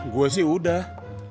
gue sih udah